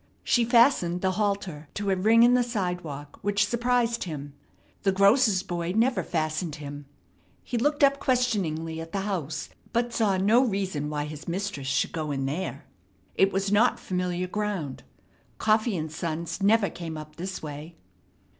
She fastened the halter to a ring in the sidewalk, which surprised him. The grocer's boy never fastened him. He looked up questioningly at the house, but saw no reason why his mistress should go in there. It was not familiar ground. Koffee and Sons never came up this way.